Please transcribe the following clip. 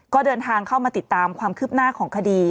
ก็เดินทางเข้ามาติดตามความคืบหน้าของคดี